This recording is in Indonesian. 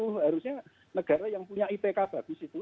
harusnya negara yang punya ipk bagus itu